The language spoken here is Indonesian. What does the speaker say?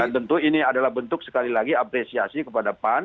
dan tentu ini adalah bentuk sekali lagi apresiasi kepada pan